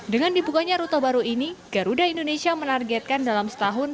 dengan dibukanya rute baru ini garuda indonesia menargetkan dalam setahun